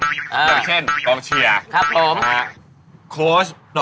อย่างเช่นดรเชียร์ครับผมค่ะโค้ชต่ออ่ะ